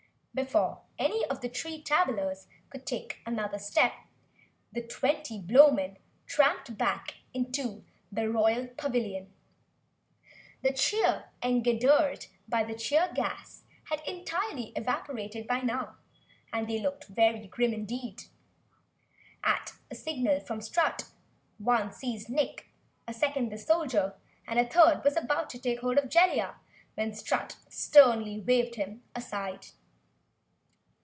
Before any of the three travellers could take another step, the twenty Blowmen tramped back into the Royal Pavilion. The cheer engendered by the cheer gas had entirely evaporated by now, and they looked very grim indeed. At a signal from Strut, one seized Nick, a second the Soldier. A third was taking hold of Jellia, when Strut sternly waved him aside.